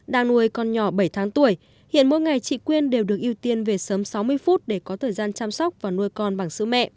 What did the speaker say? đang nuôi con nhỏ bảy tháng tuổi hiện mỗi ngày chị quyên đều được ưu tiên về sớm sáu mươi phút để có thời gian chăm sóc và nuôi con bằng sữa mẹ